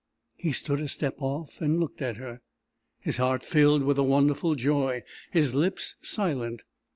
He stood a step off and looked at her, his heart filled with a wonderful joy, his lips silent.